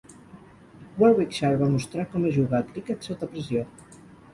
Warwickshire va mostrar com es juga a criquet sota pressió.